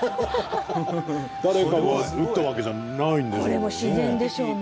誰かが打ったわけじゃないんですもんね。